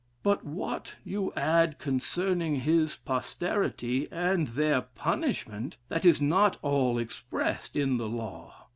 But what you add concerning his posterity and their punishment, that is not all expressed in the law.